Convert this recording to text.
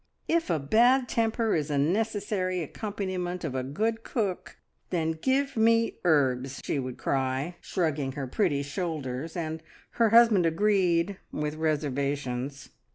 "If a bad temper is a necessary accompaniment of a good cook, then give me herbs!" she would cry, shrugging her pretty shoulders, and her husband agreed with reservations!